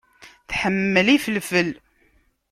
Tḥemmel ifelfel.